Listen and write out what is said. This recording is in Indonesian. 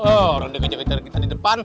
orang dia kejar kejar kita di depan